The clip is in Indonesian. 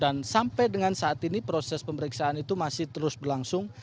dan sampai dengan saat ini proses pemeriksaan itu masih terus berlangsung